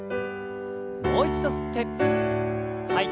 もう一度吸って吐いて。